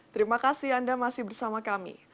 terima kasih anda masih bersama kami